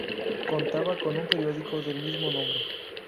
Contaba con un periódico del mismo nombre.